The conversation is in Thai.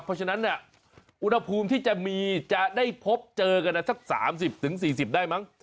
เพราะฉะนั้นอุณหภูมิที่จะมีจะได้พบเจอกันสัก๓๐๔๐ได้มั้ง